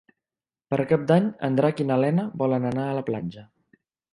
Per Cap d'Any en Drac i na Lena volen anar a la platja.